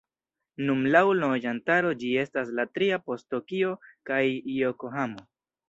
Nun laŭ loĝantaro ĝi estas la tria post Tokio kaj Jokohamo.